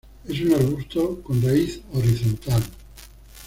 Es un arbusto con raíz horizontal.